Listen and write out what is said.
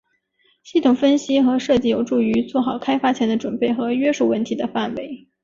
系统分析和设计有助于做好开发前的准备和约束问题的范围。